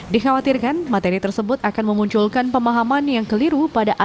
dihawatirkan materi tersebut akan memunculkan pemahaman yang keliru pada adanya